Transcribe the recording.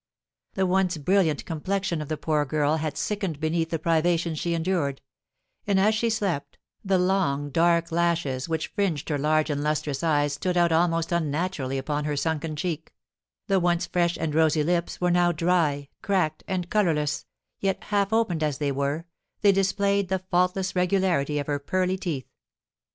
The once brilliant complexion of the poor girl had sickened beneath the privations she endured; and, as she slept, the long, dark lashes which fringed her large and lustrous eyes stood out almost unnaturally upon her sunken cheek; the once fresh and rosy lips were now dry, cracked, and colourless, yet, half opened as they were, they displayed the faultless regularity of her pearly teeth.